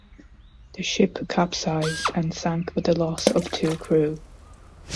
The ship capsized and sank with the loss of two crew.